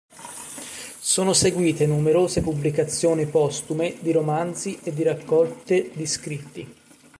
Sono seguite numerose pubblicazioni postume di romanzi e di raccolte di scritti.